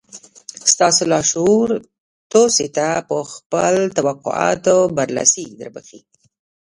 ستاسې لاشعور تاسې ته پر خپلو توقعاتو برلاسي دربښي